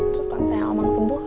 terus bang sayang omang sembuh